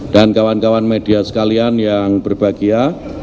dan kawan kawan media sekalian yang berbahagia